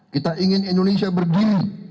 kita ingin indonesia berdiri